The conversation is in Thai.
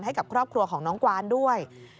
ให้กับครอบครัวของน้องกวานด้วย